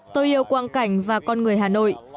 tôi yêu quang cảnh và con người hà nội